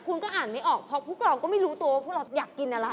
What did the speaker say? คุณก็อ่านไม่ออกเพราะพวกเราก็ไม่รู้ตัวว่าพวกเราอยากกินอะไร